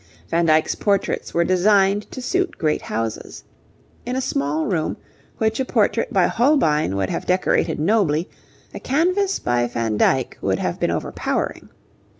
Van Dyck's portraits were designed to suit great houses. In a small room, which a portrait by Holbein would have decorated nobly, a canvas by Van Dyck would have been overpowering.